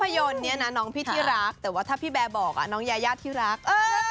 ยนตร์เนี่ยนะน้องพี่ที่รักแต่ว่าถ้าพี่แบร์บอกน้องยายาที่รัก